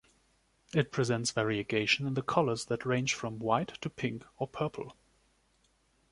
It presents variegation in the colors that range from white to pink or purple.